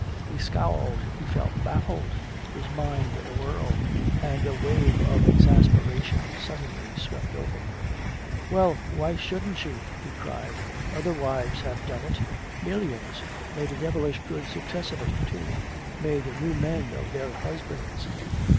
He scowled, he felt baffled, his mind in a whirl. And a wave of exasperation suddenly swept over him. "Well, why shouldn't she?" he cried. "Other wives have done it millions! Made a devilish good success of it, too made new men of their husbands!